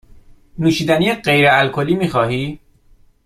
نوشیدنی غیر الکلی می خواهی؟